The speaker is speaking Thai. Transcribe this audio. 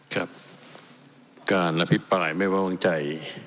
ครับการอภิปรายไม่ไว้วางใจ